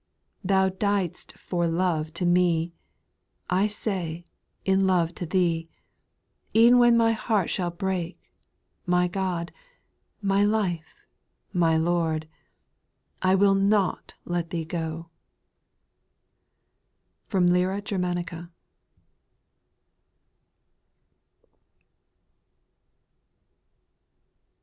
SPIRITUAL SONGS, 853 Thou diedst for love to me ; I say, in love to Thee, E*en when my heart shall break, my God, my Life, my Lord, I will not let Thee go ! ^7 FROM LYRA GERMANICA.